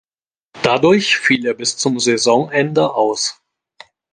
Dadurch fiel er bis zum Saisonende aus.